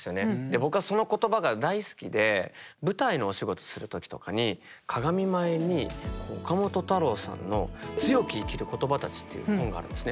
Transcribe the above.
僕はその言葉が大好きで舞台のお仕事する時とかに鏡前に岡本太郎さんの「強く生きる言葉」っていう本があるんですね。